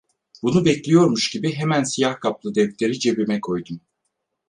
Bunu bekliyormuş gibi hemen siyah kaplı defteri cebime koydum.